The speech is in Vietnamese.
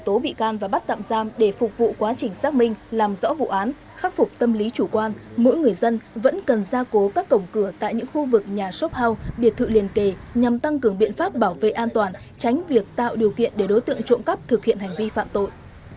trong vụ quá trình xác minh làm rõ vụ án khắc phục tâm lý chủ quan mỗi người dân vẫn cần ra cố các cổng cửa tại những khu vực nhà shop house biệt thự liền kề nhằm tăng cường biện pháp bảo vệ an toàn tránh việc tạo điều kiện để đối tượng trộm cắp thực hiện hành vi phạm tội